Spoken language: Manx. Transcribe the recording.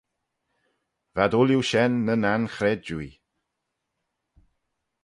V'ad ooilley shen nyn anchredjuee.